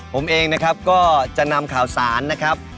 ผมเองนะครับก็จะนำข่าวสารนะครับ